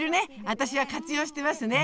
私は活用してますね。